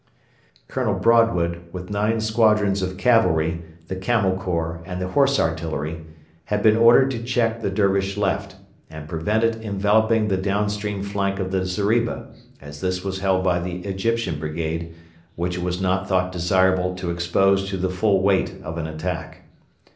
Colonel Broadwood, with nine squadrons of cavalry, the Camel Corps, and the Horse Artillery, had been ordered to check the Dervish left, and prevent it enveloping the downstream flank of the zeriba, as this was held by the Egyptian brigade, which it was not thought desirable to expose to the full weight of an attack.